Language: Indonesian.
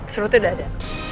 surat itu udah ada